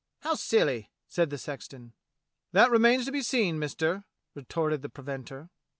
"How silly!" said the sexton. "That remains to be seen. Mister," retorted the preventer.